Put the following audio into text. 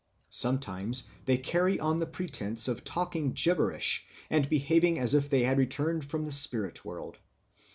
Sometimes they carry on the pretence of talking gibberish, and behaving as if they had returned from the spirit world.